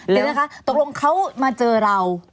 เดี๋ยวนะคะตกลงเขามาเจอเรา